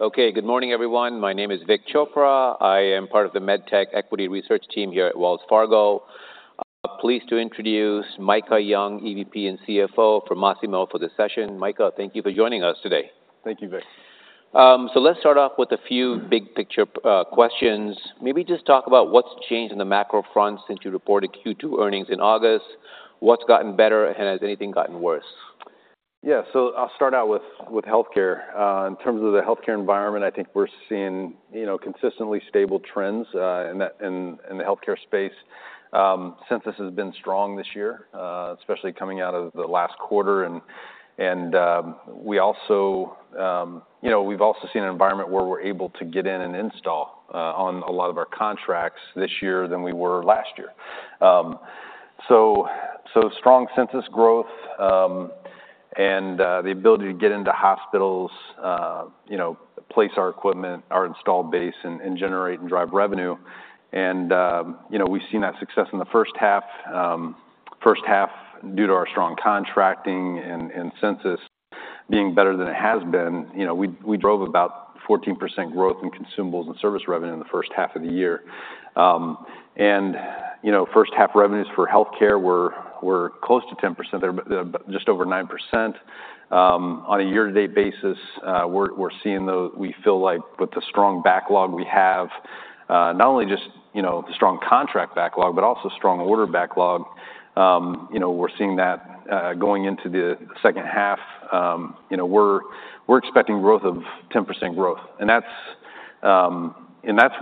Okay, good morning, everyone. My name is Vik Chopra. I am part of the MedTech Equity Research team here at Wells Fargo. Pleased to introduce Micah Young, EVP and CFO from Masimo for this session. Micah, thank you for joining us today. Thank you, Vik. Let's start off with a few big picture questions. Maybe just talk about what's changed in the macro front since you reported Q2 earnings in August. What's gotten better, and has anything gotten worse? Yeah, so I'll start out with healthcare. In terms of the healthcare environment, I think we're seeing, you know, consistently stable trends in the healthcare space. Census has been strong this year, especially coming out of the last quarter, and we also, you know, we've also seen an environment where we're able to get in and install on a lot of our contracts this year than we were last year. So strong census growth, and the ability to get into hospitals, you know, place our equipment, our installed base, and generate and drive revenue. You know, we've seen that success in the H1 due to our strong contracting and census being better than it has been. You know, we drove about 14% growth in consumables and service revenue in the H1 of the year. And, you know, H1 revenues for healthcare were close to 10%, they're just over 9%. On a year-to-date basis, we're seeing. We feel like with the strong backlog we have, not only just, you know, the strong contract backlog, but also strong order backlog, you know, we're seeing that going into the H2. You know, we're expecting growth of 10% growth, and that's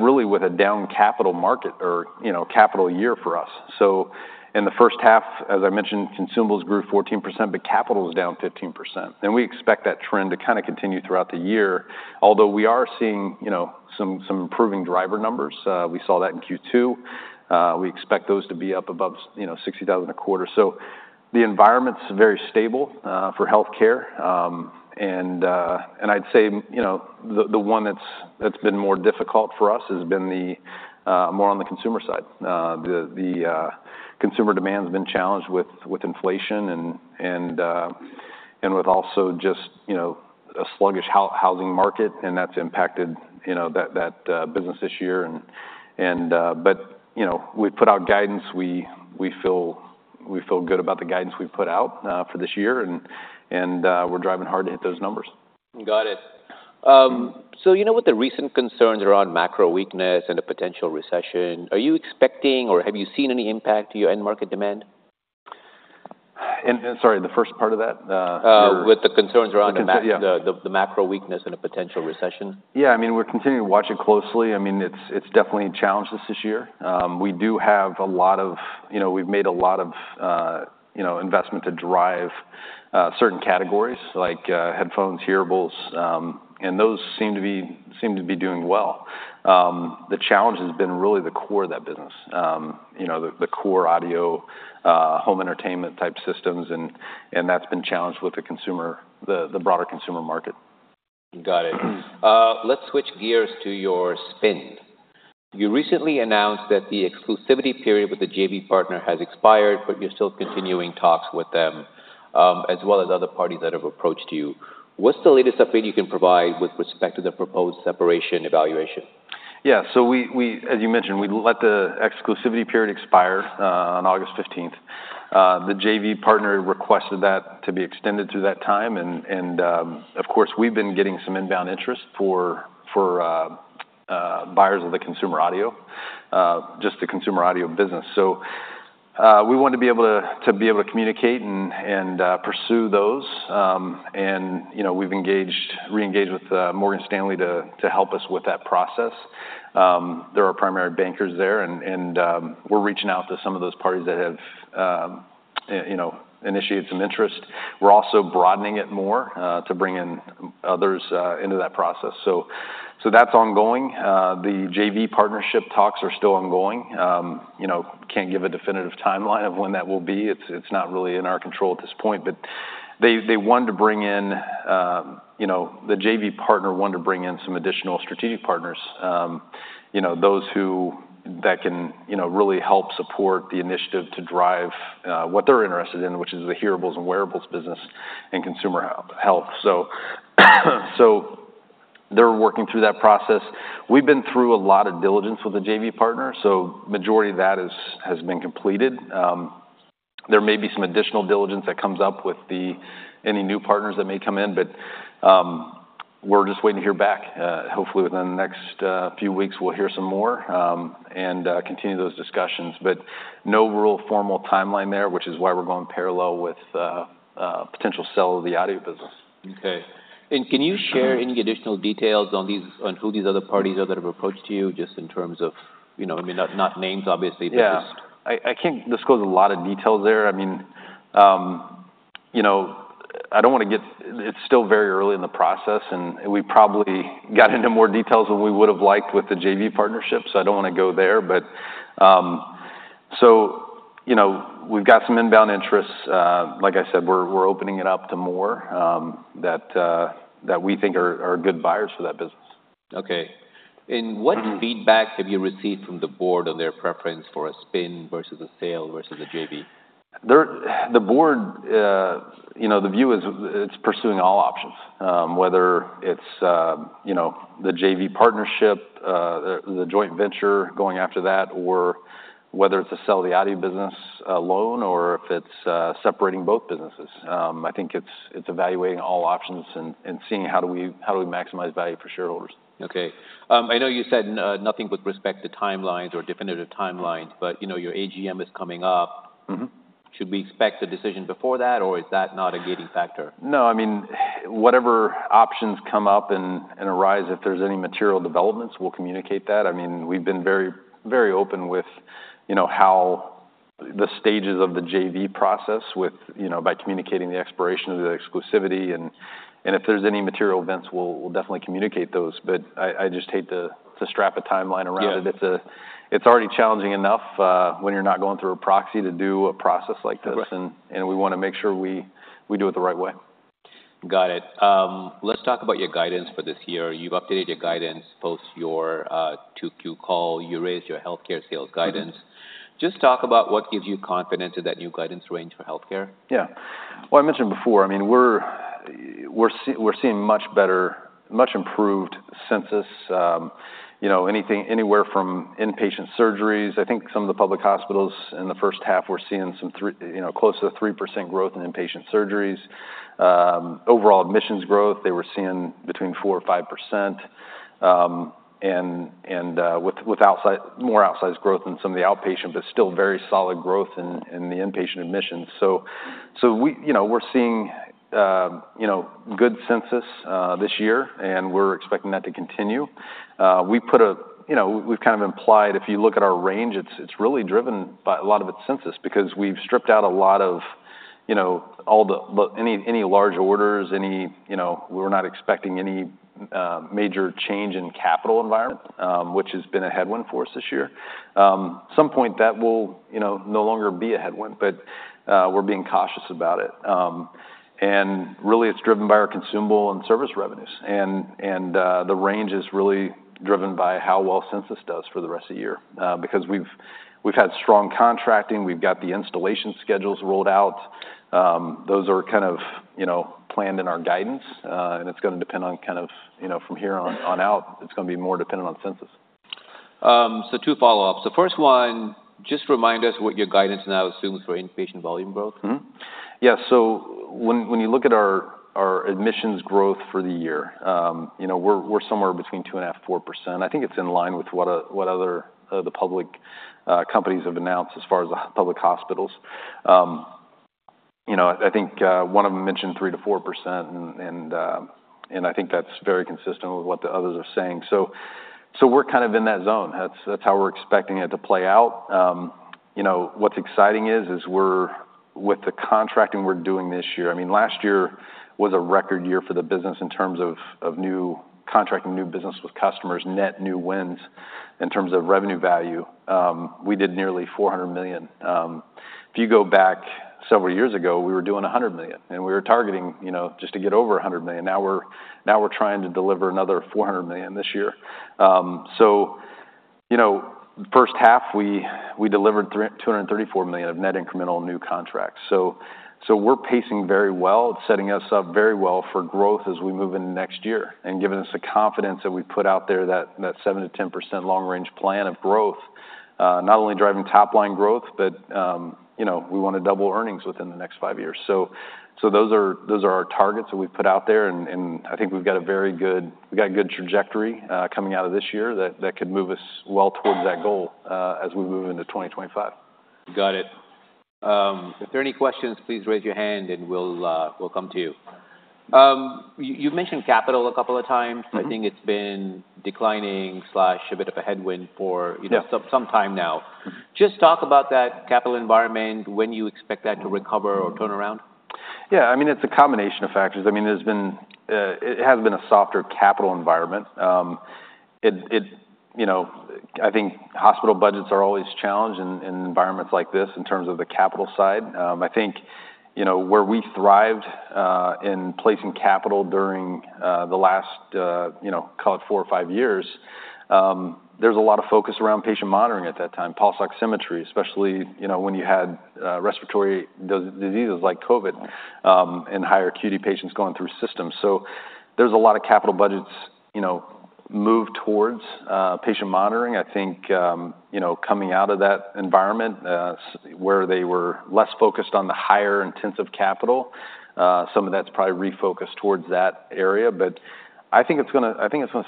really with a down capital market or, you know, capital year for us. So in the H1, as I mentioned, consumables grew 14%, but capital is down 15%. And we expect that trend to kind of continue throughout the year. Although we are seeing, you know, some improving driver numbers. We saw that in Q2. We expect those to be up above 60,000 a quarter. So the environment's very stable for healthcare. And I'd say, you know, the one that's been more difficult for us has been the more on the consumer side. The consumer demand has been challenged with inflation and with also just, you know, a sluggish housing market, and that's impacted, you know, that business this year. But, you know, we put out guidance. We feel good about the guidance we've put out for this year, and we're driving hard to hit those numbers. Got it. So you know, with the recent concerns around macro weakness and a potential recession, are you expecting or have you seen any impact to your end market demand? Sorry, the first part of that, your- With the concerns around the ma- The concern, yeah.... the macro weakness and a potential recession. Yeah, I mean, we're continuing to watch it closely. I mean, it's definitely challenged us this year. We do have a lot of, you know, we've made a lot of, you know, investment to drive certain categories, like, headphones, hearables, and those seem to be doing well. The challenge has been really the core of that business. You know, the core audio home entertainment-type systems, and that's been challenged with the consumer, the broader consumer market. Got it. Let's switch gears to your spin. You recently announced that the exclusivity period with the JV partner has expired, but you're still continuing talks with them, as well as other parties that have approached you. What's the latest update you can provide with respect to the proposed separation evaluation? Yeah, so we, as you mentioned, we let the exclusivity period expire on 15 August 2024. The JV partner requested that to be extended through that time, and of course, we've been getting some inbound interest for buyers of the consumer audio, just the consumer audio business. So we want to be able to communicate and pursue those. And you know, we've re-engaged with Morgan Stanley to help us with that process. They're our primary bankers there, and we're reaching out to some of those parties that have you know initiated some interest. We're also broadening it more to bring in others into that process. So that's ongoing. The JV partnership talks are still ongoing. You know, can't give a definitive timeline of when that will be. It's not really in our control at this point. But they wanted to bring in, you know, the JV partner wanted to bring in some additional strategic partners. You know, those that can, you know, really help support the initiative to drive what they're interested in, which is the hearables and wearables business and consumer health. So they're working through that process. We've been through a lot of diligence with the JV partner, so majority of that has been completed. There may be some additional diligence that comes up with any new partners that may come in, but we're just waiting to hear back. Hopefully, within the next few weeks, we'll hear some more and continue those discussions. But no real formal timeline there, which is why we're going parallel with a potential sale of the audio business. Okay. And can you share any additional details on who these other parties are that have approached you, just in terms of, you know, I mean, not, not names, obviously, but just- Yeah. I can't disclose a lot of details there. I mean, you know, I don't wanna get... It's still very early in the process, and we probably got into more details than we would've liked with the JV partnership, so I don't wanna go there. But, so, you know, we've got some inbound interests. Like I said, we're opening it up to more that we think are good buyers for that business.... Okay. And what feedback have you received from the board on their preference for a spin versus a sale versus a JV? There, the board, you know, the view is, it's pursuing all options, whether it's, you know, the JV partnership, the, the joint venture going after that, or whether it's to sell the ADI business alone, or if it's, separating both businesses. I think it's, it's evaluating all options and, and seeing how do we, how do we maximize value for shareholders? Okay. I know you said nothing with respect to timelines or definitive timelines, but, you know, your AGM is coming up. Mm-hmm. Should we expect a decision before that, or is that not a gating factor? No, I mean, whatever options come up and arise, if there's any material developments, we'll communicate that. I mean, we've been very, very open with, you know, how the stages of the JV process with... You know, by communicating the expiration of the exclusivity, and if there's any material events, we'll definitely communicate those. But I just hate to strap a timeline around it. Yeah. It's already challenging enough when you're not going through a proxy to do a process like this- Right... and we wanna make sure we do it the right way. Got it. Let's talk about your guidance for this year. You've updated your guidance, post your Q2 call. You raised your healthcare sales guidance. Mm-hmm. Just talk about what gives you confidence in that new guidance range for healthcare. Yeah. Well, I mentioned before, I mean, we're seeing much better, much improved census. You know, anything, anywhere from inpatient surgeries. I think some of the public hospitals in the H1 were seeing some 3%, you know, close to 3% growth in inpatient surgeries. Overall admissions growth, they were seeing between 4%-5%, and with more outsized growth than some of the outpatient, but still very solid growth in the inpatient admissions. So we, you know, we're seeing good census this year, and we're expecting that to continue. We put a... You know, we've kind of implied, if you look at our range, it's really driven by a lot of its census, because we've stripped out a lot of, you know, all the any large orders, any, you know. We're not expecting any major change in capital environment, which has been a headwind for us this year. At some point that will, you know, no longer be a headwind, but we're being cautious about it. And really, it's driven by our consumables and service revenues, and the range is really driven by how well census does for the rest of the year. Because we've had strong contracting, we've got the installation schedules rolled out. Those are kind of, you know, planned in our guidance, and it's gonna depend on kind of, you know, from here on out. It's gonna be more dependent on census. So two follow-ups. The first one, just remind us what your guidance now assumes for inpatient volume growth? Mm-hmm. Yeah, so when you look at our admissions growth for the year, you know, we're somewhere between 2.5-4%. I think it's in line with what other public companies have announced as far as the public hospitals. You know, I think one of them mentioned 3%-4%, and I think that's very consistent with what the others are saying. So we're kind of in that zone. That's how we're expecting it to play out. You know, what's exciting is we're with the contracting we're doing this year. I mean, last year was a record year for the business in terms of new contract and new business with customers, net new wins. In terms of revenue value, we did nearly $400 million. If you go back several years ago, we were doing $100 million, and we were targeting, you know, just to get over $100 million. Now we're trying to deliver another $400 million this year. So you know, H1, we delivered $234 million of net incremental new contracts. So we're pacing very well. It's setting us up very well for growth as we move into next year, and giving us the confidence that we put out there, that 7%-10% long range plan of growth. Not only driving top line growth, but, you know, we wanna double earnings within the next five years. So, those are our targets that we've put out there, and I think we've got a good trajectory coming out of this year, that could move us well towards that goal, as we move into 2025. Got it. If there are any questions, please raise your hand and we'll come to you. You've mentioned capital a couple of times. Mm-hmm. I think it's been declining sales, a bit of a headwind for- Yeah... you know, some time now. Just talk about that capital environment, when you expect that to recover or turn around? Yeah, I mean, it's a combination of factors. I mean, there's been, it has been a softer capital environment. You know, I think hospital budgets are always challenged in, in environments like this, in terms of the capital side. I think, you know, where we thrived, in placing capital during, the last, you know, call it four or five years, there was a lot of focus around patient monitoring at that time, pulse oximetry, especially, you know, when you had, respiratory diseases like COVID, and higher acuity patients going through systems. So there's a lot of capital budgets, you know, move towards, patient monitoring. I think, you know, coming out of that environment, where they were less focused on the higher intensive capital, some of that's probably refocused towards that area, but I think it's gonna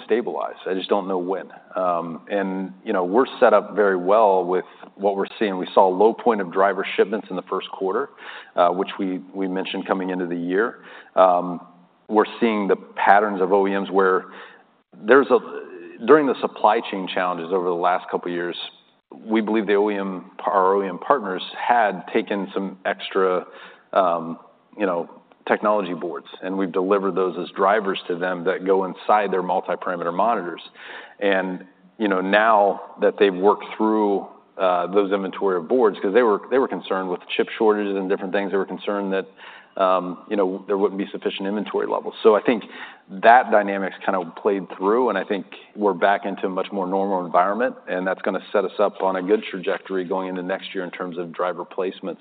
stabilize. I just don't know when, and, you know, we're set up very well with what we're seeing. We saw a low point of driver shipments in the Q1, which we mentioned coming into the year. We're seeing the patterns of OEMs, where there's, during the supply chain challenges over the last couple of years, we believe the OEM, our OEM partners, had taken some extra, you know, technology boards, and we've delivered those as drivers to them that go inside their multi-parameter monitors. And, you know, now that they've worked through those inventory of boards, 'cause they were, they were concerned with chip shortages and different things. They were concerned that, you know, there wouldn't be sufficient inventory levels. So I think that dynamic's kind of played through, and I think we're back into a much more normal environment, and that's gonna set us up on a good trajectory going into next year in terms of driver placements.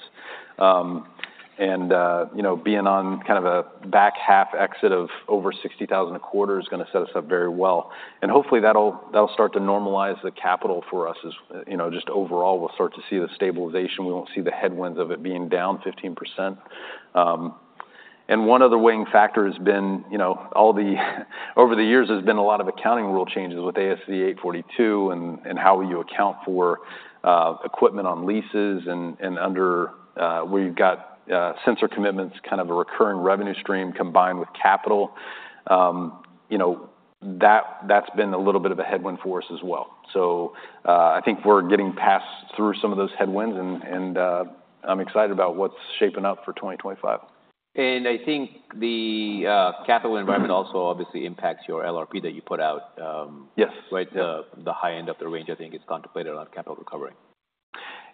And, you know, being on kind of a back half exit of over 60,000 a quarter is gonna set us up very well. And hopefully, that'll, that'll start to normalize the capital for us as, you know, just overall, we'll start to see the stabilization. We won't see the headwinds of it being down 15%. One other weighting factor has been, you know, over the years, there's been a lot of accounting rule changes with ASC 842 and how you account for equipment on leases and under where you've got sensor commitments, kind of a recurring revenue stream combined with capital. You know, that's been a little bit of a headwind for us as well. So, I think we're getting past some of those headwinds, and I'm excited about what's shaping up for 2025. And I think the capital environment- Mm-hmm... also obviously impacts your LRP that you put out, Yes... right? The high end of the range, I think, is contemplated on capital recovery.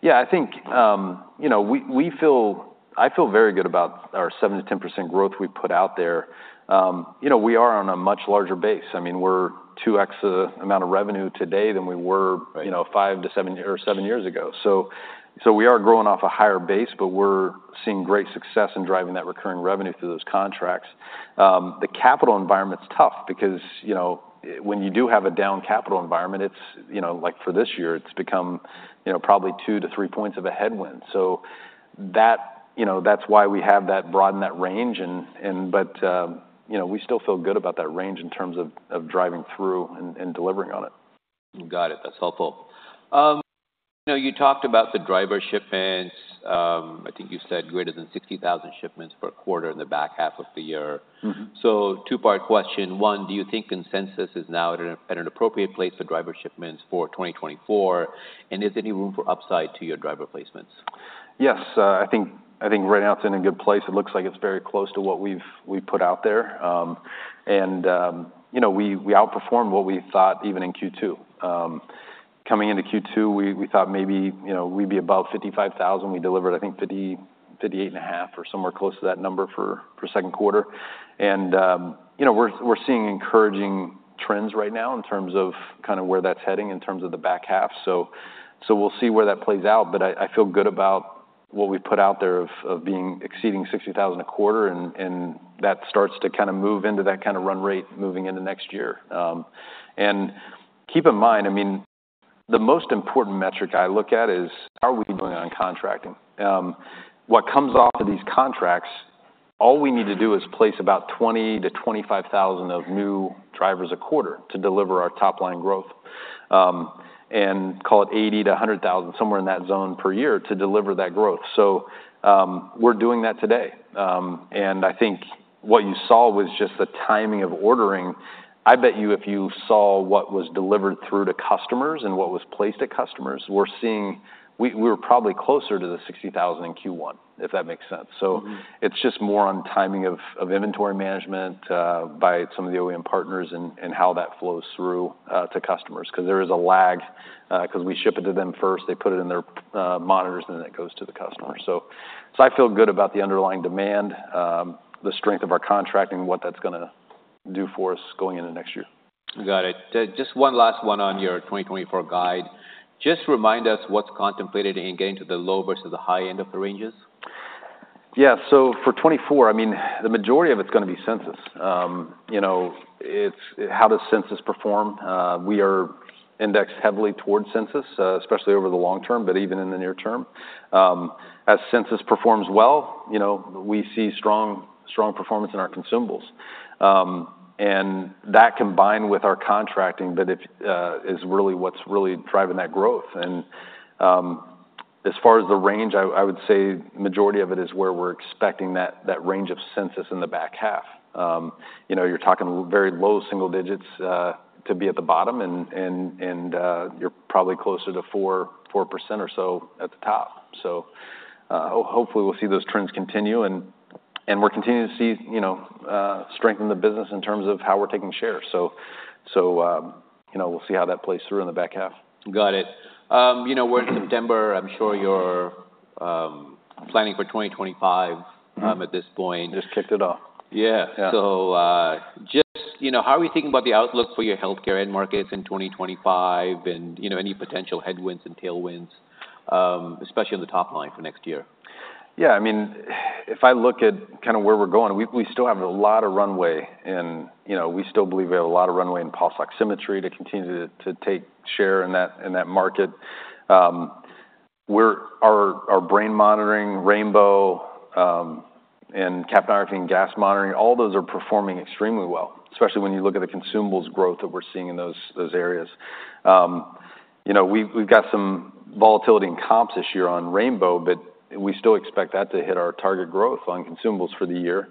Yeah, I think, you know, we feel, I feel very good about our 7%-10% growth we put out there. You know, we are on a much larger base. I mean, we're 2 times the amount of revenue today than we were- Right... you know, five to seven or seven years ago. So we are growing off a higher base, but we're seeing great success in driving that recurring revenue through those contracts. The capital environment's tough because, you know, when you do have a down capital environment, it's, you know, like for this year, it's become, you know, probably two to three points of a headwind. So that. You know, that's why we have that broad, net range and... But, you know, we still feel good about that range in terms of driving through and delivering on it. Got it. That's helpful. You know, you talked about the driver shipments. I think you said greater than 60,000 shipments per quarter in the back half of the year. Mm-hmm. So two-part question. One, do you think consensus is now at an appropriate place for driver shipments for 2024? And is there any room for upside to your driver placements? Yes. I think right now it's in a good place. It looks like it's very close to what we've put out there. And you know, we outperformed what we thought even in Q2. Coming into Q2, we thought maybe, you know, we'd be above 55,000. We delivered, I think, 58.5 or somewhere close to that number for Q2. And you know, we're seeing encouraging trends right now in terms of kind of where that's heading in terms of the back half. So we'll see where that plays out, but I feel good about what we put out there of being exceeding 60,000 a quarter, and that starts to kind of move into that kind of run rate moving into next year. And keep in mind, I mean, the most important metric I look at is, how are we doing on contracting? What comes off of these contracts, all we need to do is place about 20-25 thousand of new drivers a quarter to deliver our top-line growth. And call it 80-100 thousand, somewhere in that zone per year, to deliver that growth. So, we're doing that today. And I think what you saw was just the timing of ordering. I bet you if you saw what was delivered through to customers and what was placed at customers, we're seeing. We're probably closer to the 60 thousand in Q1, if that makes sense. Mm-hmm. So it's just more on timing of inventory management by some of the OEM partners and how that flows through to customers. 'Cause there is a lag 'cause we ship it to them first, they put it in their monitors, and then it goes to the customer. I feel good about the underlying demand, the strength of our contracting, and what that's gonna do for us going into next year. Got it. Just one last one on your 2024 guide. Just remind us what's contemplated in getting to the low versus the high end of the ranges. Yeah. So for 2024, I mean, the majority of it's gonna be census. You know, it's. How does census perform? We are indexed heavily towards census, especially over the long term, but even in the near term. As census performs well, you know, we see strong, strong performance in our consumables. And that combined with our contracting, but it is really what's really driving that growth. And, as far as the range, I would say majority of it is where we're expecting that range of census in the back half. You know, you're talking very low single digits to be at the bottom, and you're probably closer to 4, 4% or so at the top. So, hopefully, we'll see those trends continue, and we're continuing to see, you know, strength in the business in terms of how we're taking share. So, you know, we'll see how that plays through in the back half. Got it. You know, we're in September. I'm sure you're planning for 2025- Mm-hmm... at this point. Just kicked it off. Yeah. Yeah. Just, you know, how are we thinking about the outlook for your healthcare end markets in 2025 and, you know, any potential headwinds and tailwinds, especially on the top line for next year? Yeah, I mean, if I look at kind of where we're going, we still have a lot of runway and, you know, we still believe we have a lot of runway in pulse oximetry to continue to take share in that market. Our brain monitoring, Rainbow, and capnography and gas monitoring, all those are performing extremely well, especially when you look at the consumables growth that we're seeing in those areas. You know, we've got some volatility in comps this year on Rainbow, but we still expect that to hit our target growth on consumables for the year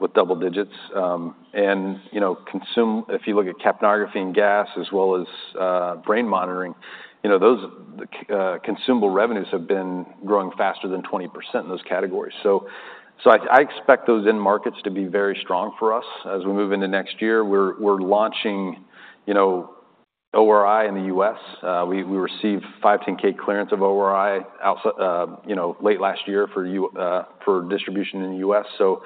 with double digits. And you know, if you look at capnography and gas, as well as brain monitoring, you know, those consumable revenues have been growing faster than 20% in those categories. So... So I expect those end markets to be very strong for us as we move into next year. We're launching, you know, ORI in the U.S. We received 510(k) clearance of ORI outside, you know, late last year for distribution in the U.S. So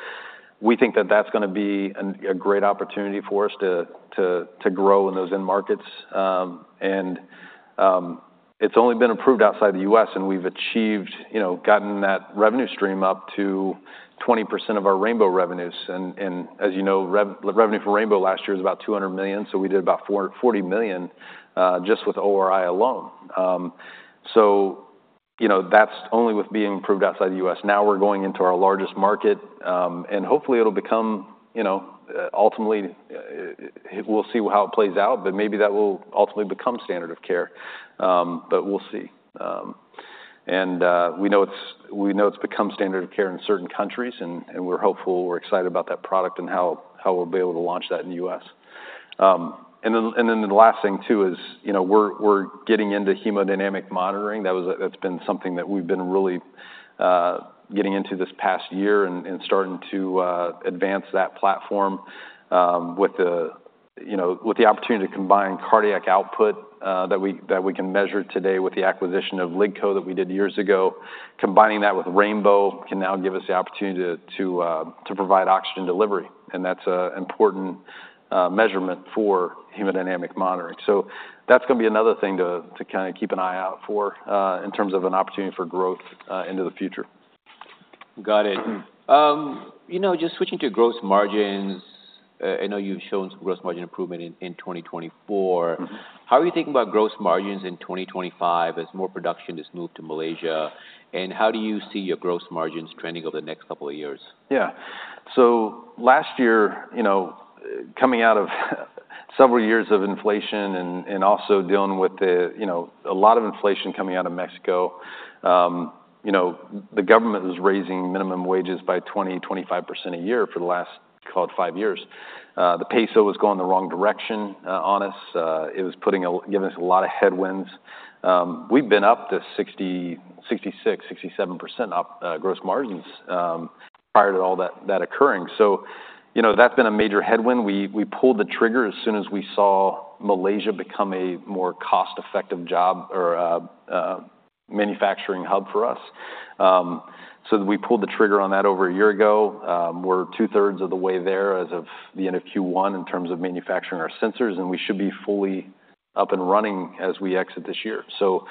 we think that that's gonna be a great opportunity for us to grow in those end markets. And it's only been approved outside the U.S., and we've achieved, you know, gotten that revenue stream up to 20% of our Rainbow revenues. And as you know, the revenue for Rainbow last year was about $200 million, so we did about $40 million just with ORI alone. So, you know, that's only with being approved outside the U.S. Now we're going into our largest market, and hopefully, it'll become, you know, ultimately, we'll see how it plays out, but maybe that will ultimately become standard of care. But we'll see. And, we know it's, we know it's become standard of care in certain countries, and, and we're hopeful. We're excited about that product and how, how we'll be able to launch that in the U.S. And then, and then the last thing, too, is, you know, we're, we're getting into hemodynamic monitoring. That's been something that we've been really getting into this past year and, and starting to advance that platform, with the, you know, with the opportunity to combine cardiac output, that we, that we can measure today with the acquisition of LiDCO that we did years ago. Combining that with Rainbow can now give us the opportunity to provide oxygen delivery, and that's a important measurement for hemodynamic monitoring. So that's gonna be another thing to kinda keep an eye out for in terms of an opportunity for growth into the future. Got it. You know, just switching to gross margins, I know you've shown some gross margin improvement in 2024. Mm-hmm. How are you thinking about gross margins in 2025 as more production is moved to Malaysia, and how do you see your gross margins trending over the next couple of years? Yeah. So last year, you know, coming out of several years of inflation and also dealing with the, you know, a lot of inflation coming out of Mexico, the government was raising minimum wages by 20-25% a year for the last, call it, five years. The peso was going the wrong direction on us. It was putting a giving us a lot of headwinds. We've been up to 60-67% gross margins prior to all that occurring. So, you know, that's been a major headwind. We pulled the trigger as soon as we saw Malaysia become a more cost-effective job or manufacturing hub for us. So we pulled the trigger on that over a year ago. We're two-thirds of the way there as of the end of Q1 in terms of manufacturing our sensors, and we should be fully up and running as we exit this year, so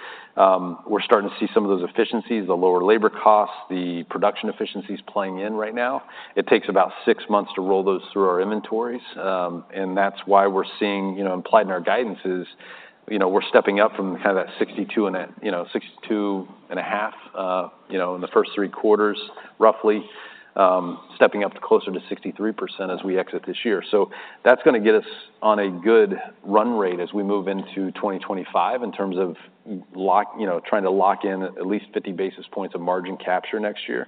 we're starting to see some of those efficiencies, the lower labor costs, the production efficiencies playing in right now. It takes about six months to roll those through our inventories, and that's why we're seeing, you know, implied in our guidances, you know, we're stepping up from kind of that 62% and that, you know, 62.5%, you know, in the first three quarters, roughly, stepping up to closer to 63% as we exit this year. So that's gonna get us on a good run rate as we move into 2025 in terms of margin lock, you know, trying to lock in at least 50 basis points of margin capture next year.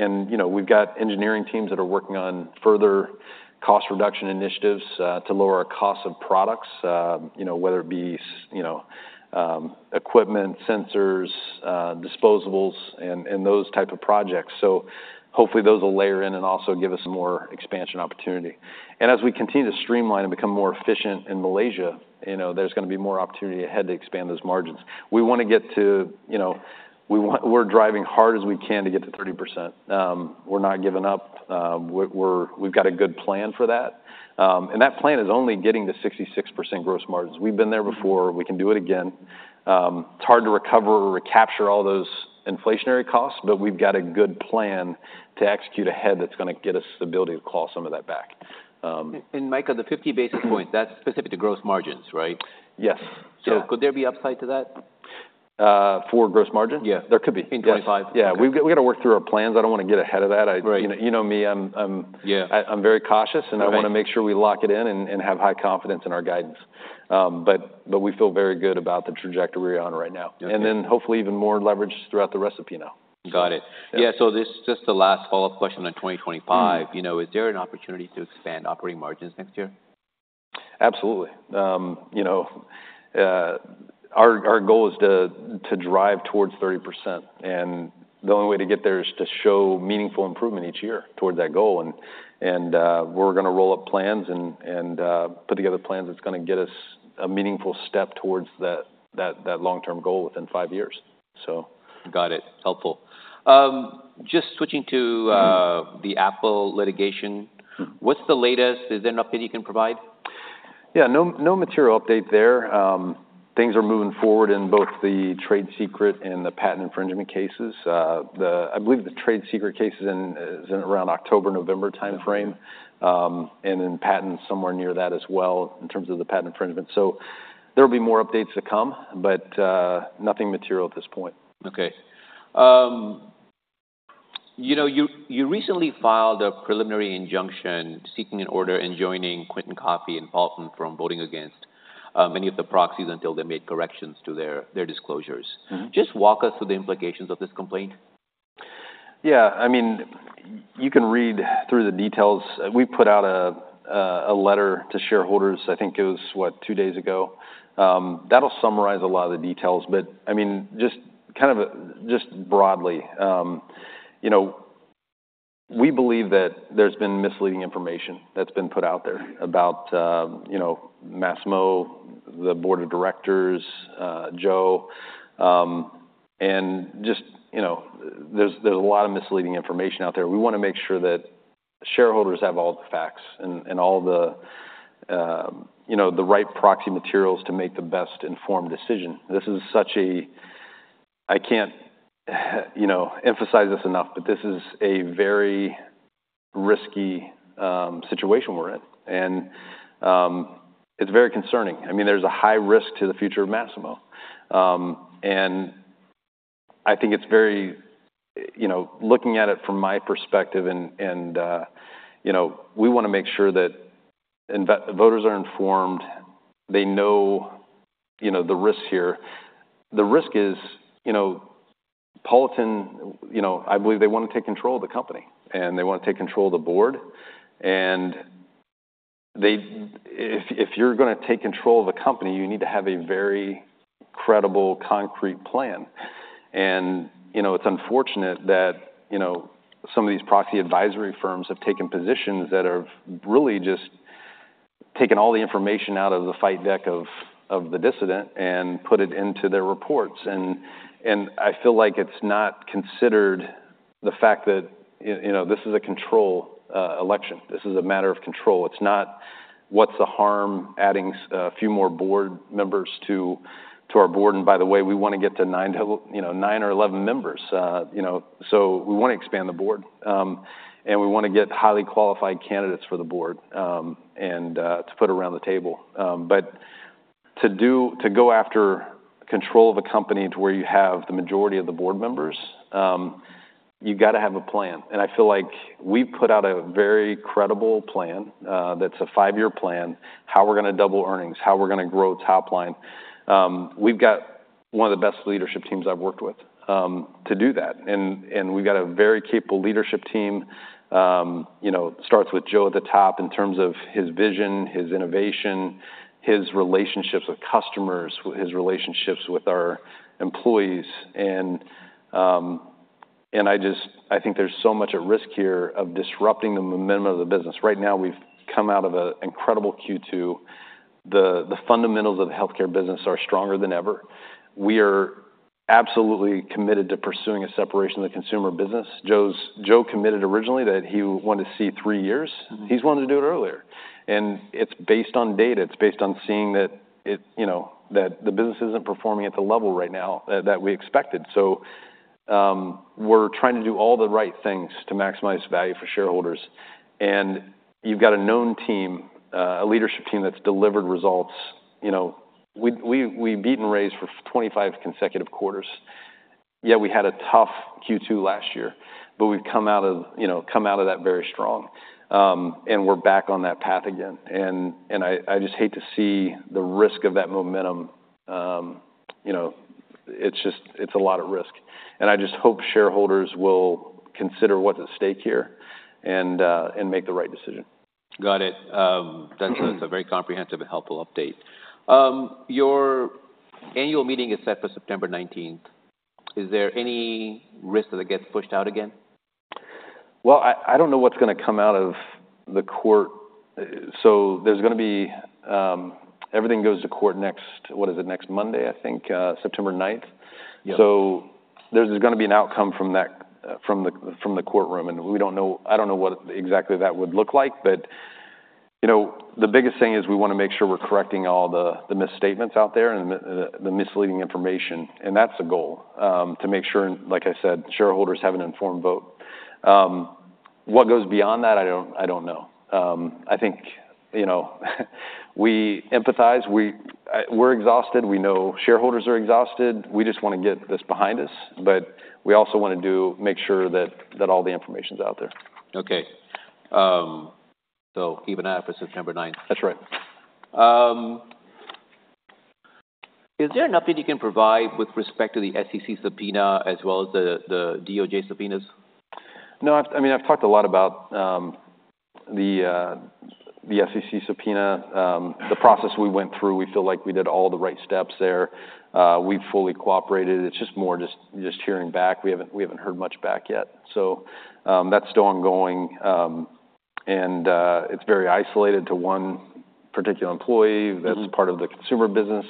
And, you know, we've got engineering teams that are working on further cost reduction initiatives to lower our cost of products, you know, whether it be sensors, you know, equipment, sensors, disposables, and those type of projects. So hopefully, those will layer in and also give us more expansion opportunity. And as we continue to streamline and become more efficient in Malaysia, you know, there's gonna be more opportunity ahead to expand those margins. We wanna get to, you know. We want. We're driving hard as we can to get to 30%. We're not giving up. We've got a good plan for that, and that plan is only getting to 66% gross margins. We've been there before. We can do it again. It's hard to recover or recapture all those inflationary costs, but we've got a good plan to execute ahead that's gonna get us the ability to claw some of that back. Micah, the 50 basis points, that's specific to gross margins, right? Yes. Yeah. So could there be upside to that? For gross margin? Yeah. There could be. In 2025? Yeah. We've gotta work through our plans. I don't wanna get ahead of that. Right. You know me, I'm... Yeah. I'm very cautious- Okay... and I wanna make sure we lock it in and have high confidence in our guidance. But we feel very good about the trajectory we're on right now. Okay. Then, hopefully, even more leverage throughout the rest of the year now. Got it. Yeah. Yeah, so this, just the last follow-up question on 2025. Mm-hmm. You know, is there an opportunity to expand operating margins next year? Absolutely. You know, our goal is to drive towards 30%, and the only way to get there is to show meaningful improvement each year toward that goal. We're gonna roll up plans and put together plans that's gonna get us a meaningful step towards that long-term goal within five years, so. Got it. Helpful. Just switching to the Apple litigation- Mm-hmm. What's the latest? Is there an update you can provide? Yeah, no, no material update there. Things are moving forward in both the trade secret and the patent infringement cases. I believe the trade secret case is in around October, November timeframe, and then patent, somewhere near that as well, in terms of the patent infringement. So there will be more updates to come, but nothing material at this point. Okay. You know, you recently filed a preliminary injunction seeking an order enjoining Quentin Koffey and Politan from voting against many of the proxies until they made corrections to their disclosures. Mm-hmm. Just walk us through the implications of this complaint? Yeah, I mean, you can read through the details. We put out a letter to shareholders, I think it was, what? Two days ago. That'll summarize a lot of the details, but, I mean, just kind of, just broadly, you know, we believe that there's been misleading information that's been put out there about, you know, Masimo, the board of directors, Joe, and just, you know, there's a lot of misleading information out there. We wanna make sure that shareholders have all the facts and all the, you know, the right proxy materials to make the best informed decision. I can't, you know, emphasize this enough, but this is a very risky situation we're in, and it's very concerning. I mean, there's a high risk to the future of Masimo. And I think it's very... You know, looking at it from my perspective and, and, you know, we wanna make sure that investors are informed, they know, you know, the risks here. The risk is, you know, Politan, you know, I believe they wanna take control of the company, and they wanna take control of the board. And if you're gonna take control of the company, you need to have a very credible, concrete plan. And, you know, it's unfortunate that, you know, some of these proxy advisory firms have taken positions that have really just taken all the information out of the fight deck of the dissident and put it into their reports. And I feel like it's not considered the fact that, you know, this is a control, election. This is a matter of control. It's not, what's the harm in adding a few more board members to our board? And by the way, we wanna get to nine to... You know, nine or 11 members. You know, so we wanna expand the board, and we wanna get highly qualified candidates for the board, and to put around the table. But to go after control of a company to where you have the majority of the board members, you've got to have a plan. And I feel like we've put out a very credible plan, that's a five-year plan, how we're gonna double earnings, how we're gonna grow top line. We've got one of the best leadership teams I've worked with, to do that, and we've got a very capable leadership team. You know, it starts with Joe at the top in terms of his vision, his innovation, his relationships with customers, his relationships with our employees. And I think there's so much at risk here of disrupting the momentum of the business. Right now, we've come out of an incredible Q2. The fundamentals of the healthcare business are stronger than ever. We are absolutely committed to pursuing a separation of the consumer business. Joe committed originally that he wanted to see three years. Mm-hmm. He's wanting to do it earlier, and it's based on data. It's based on seeing that, you know, the business isn't performing at the level right now that we expected, so we're trying to do all the right things to maximize value for shareholders, and you've got a known team, a leadership team that's delivered results. You know, we've beaten expectations for 25 consecutive quarters, yet we had a tough Q2 last year, but we've come out of that very strong, you know, and we're back on that path again, and I just hate to see the risk of that momentum, you know. It's just a lot of risk, and I just hope shareholders will consider what's at stake here and make the right decision. Got it. Mm-hmm. That's a very comprehensive and helpful update. Your annual meeting is set for 19 September 2024. Is there any risk that it gets pushed out again? Well, I don't know what's gonna come out of the court. So there's gonna be everything goes to court next, what is it? Next Monday, I think, 9 September 2024. Yeah. So there's gonna be an outcome from that, from the courtroom, and we don't know. I don't know what exactly that would look like. But, you know, the biggest thing is we wanna make sure we're correcting all the misstatements out there and the misleading information, and that's the goal, to make sure, like I said, shareholders have an informed vote. What goes beyond that, I don't know. I think, you know, we empathize. We're exhausted. We know shareholders are exhausted. We just wanna get this behind us, but we also wanna do make sure that all the information's out there. Okay. So even after 9 September 2024? That's right. Is there nothing you can provide with respect to the SEC subpoena as well as the DOJ subpoenas? No, I mean, I've talked a lot about the SEC subpoena. The process we went through, we feel like we did all the right steps there. We fully cooperated. It's just more just hearing back. We haven't heard much back yet. So, that's still ongoing. And it's very isolated to one particular employee- Mm-hmm... that's part of the consumer business,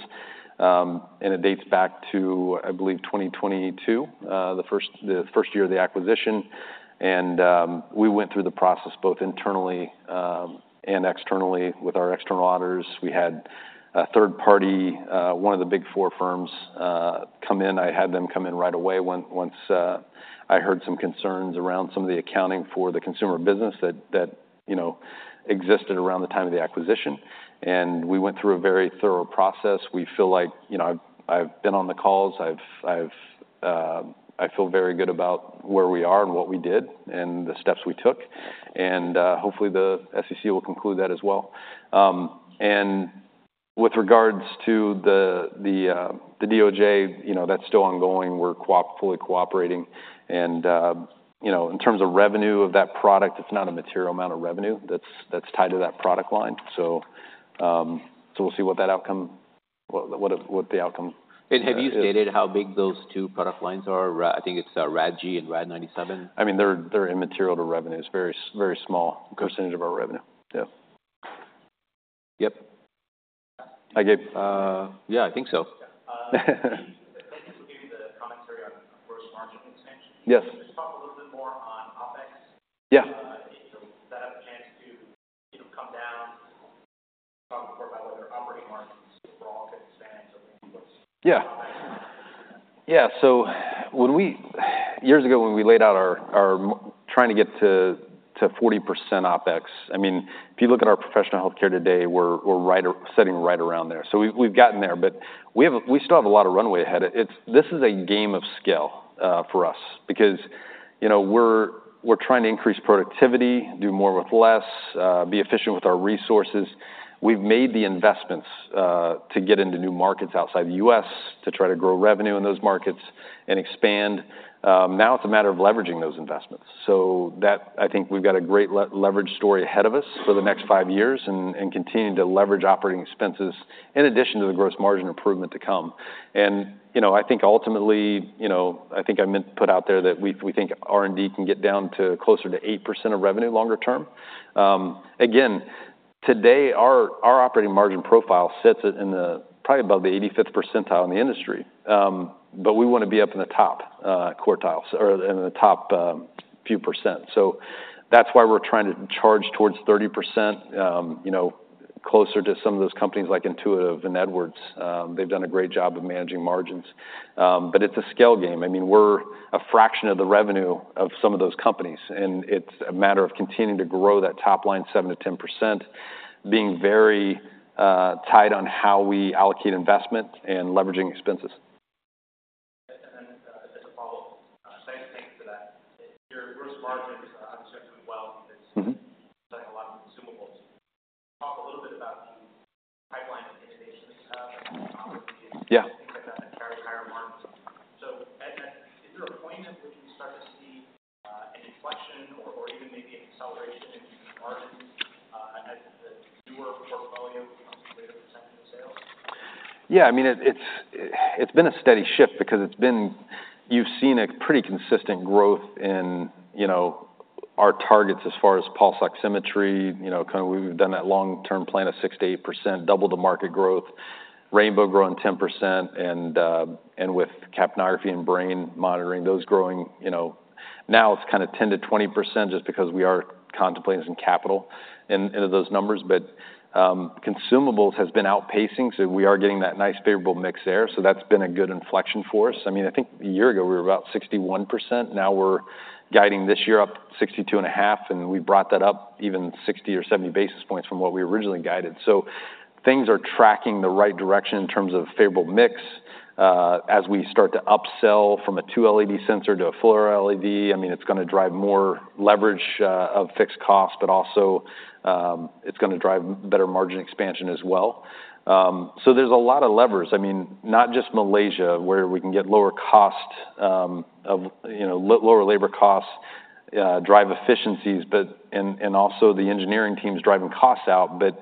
and it dates back to, I believe, 2022, the first year of the acquisition. And we went through the process both internally and externally with our external auditors. We had a third party, one of the big four firms, come in. I had them come in right away once I heard some concerns around some of the accounting for the consumer business that you know existed around the time of the acquisition. And we went through a very thorough process. We feel like, you know, I've I feel very good about where we are and what we did, and the steps we took, and hopefully, the SEC will conclude that as well. With regards to the DOJ, you know, that's still ongoing. We're fully cooperating, and you know, in terms of revenue of that product, it's not a material amount of revenue that's tied to that product line, so we'll see what the outcome. And have you stated how big those two product lines are? I think it's Rad-G and Rad-97. I mean, they're, they're immaterial to revenue. It's very, very small percentage of our revenue. Yeah. Yep. Hi, Gabe. Yeah, I think so. Yeah. Thank you for giving the commentary on gross margin expansion. Yes. Can you just talk a little bit more on OpEx? Yeah. Does that have a chance to, you know, come down? Talk more about whether operating margins for OpEx expands or inputs? Yeah. Yeah. Years ago, when we laid out our trying to get to 40% OpEx, I mean, if you look at our professional healthcare today, we're sitting right around there. So we've gotten there, but we still have a lot of runway ahead. This is a game of scale for us because, you know, we're trying to increase productivity, do more with less, be efficient with our resources. We've made the investments to get into new markets outside the U.S., to try to grow revenue in those markets and expand. Now it's a matter of leveraging those investments. So that... I think we've got a great leverage story ahead of us for the next five years, and continuing to leverage operating expenses in addition to the gross margin improvement to come. You know, I think ultimately, you know, I think I meant to put out there that we think R&D can get down to closer to 8% of revenue, longer term. Again, today, our operating margin profile sits at in the probably about the 85th percentile in the industry. But we want to be up in the top quartiles or in the top few percent. So that's why we're trying to charge towards 30%, you know, closer to some of those companies like Intuitive and Edwards. They've done a great job of managing margins. But it's a scale game. I mean, we're a fraction of the revenue of some of those companies, and it's a matter of continuing to grow that top line 7%-10%, being very tight on how we allocate investment and leveraging expenses. And then, as a follow-up, thanks, thanks for that. Your gross margins are doing well- Mm-hmm Because you have a lot of consumables. Talk a little bit about the pipeline of innovations you have. Yeah. Things like that, that carry higher margins. So, and then, is there a point at which we start to see an inflection or even maybe an acceleration in margins, as the newer portfolio becomes a greater % of the sales? Yeah, I mean, it's been a steady shift because it's been. You've seen a pretty consistent growth in, you know, our targets as far as pulse oximetry, you know, kind of we've done that long-term plan of 6%-8%, double the market growth. Rainbow growing 10%, and with capnography and brain monitoring, those growing, you know. Now it's kind of 10%-20% just because we are contemplating some capital in, into those numbers. But consumables has been outpacing, so we are getting that nice, favorable mix there. So that's been a good inflection for us. I mean, I think a year ago, we were about 61%. Now we're guiding this year up 62.5%, and we brought that up even 60 or 70 basis points from what we originally guided. So things are tracking the right direction in terms of favorable mix. As we start to upsell from a two-LED sensor to a four-LED, I mean, it's gonna drive more leverage of fixed cost, but also, it's gonna drive better margin expansion as well. So there's a lot of levers. I mean, not just Malaysia, where we can get lower cost of, you know, lower labor costs, drive efficiencies, but and also the engineering team is driving costs out. But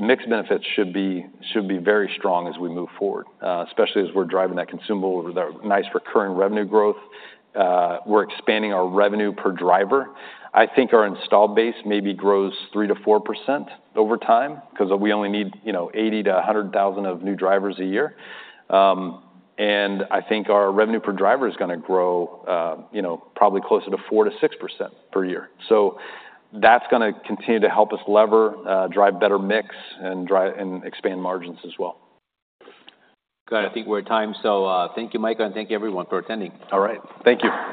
mixed benefits should be very strong as we move forward, especially as we're driving that consumable with a nice recurring revenue growth. We're expanding our revenue per driver. I think our installed base maybe grows 3%-4% over time, because we only need, you know, 80,000-100,000 of new drivers a year. I think our revenue per driver is gonna grow, you know, probably closer to 4%-6% per year. That's gonna continue to help us lever, drive better mix, and expand margins as well. Good. I think we're at time, so, thank you, Micah, and thank you, everyone, for attending. All right. Thank you.